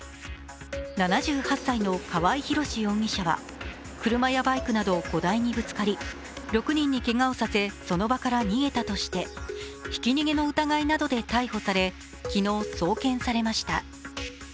７８歳の川合広司容疑者は車やバイクなど５台にぶつかり６人にけがをさせその場から逃げたとしてひき逃げの疑いなどで逮捕され昨日、送検されました。